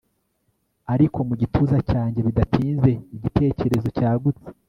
ariko mu gituza cyanjye bidatinze igitekerezo cyagutse